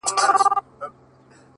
گراني چي د ټول كلي ملكه سې’